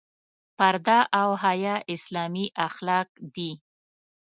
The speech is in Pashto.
پرده او حیا اسلامي اخلاق دي.